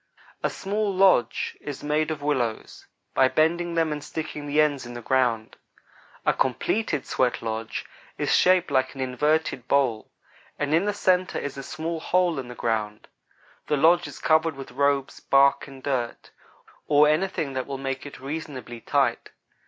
A small lodge is made of willows, by bending them and sticking the ends in the ground. A completed sweatlodge is shaped like an inverted bowl, and in the centre is a small hole in the ground. The lodge is covered with robes, bark, and dirt, or anything that will make it reasonably tight.